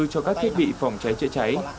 cho các thiết bị phòng cháy chữa cháy